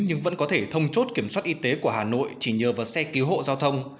nhưng vẫn có thể thông chốt kiểm soát y tế của hà nội chỉ nhờ vào xe cứu hộ giao thông